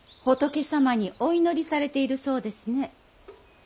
仏様にお祈りされているそうですね。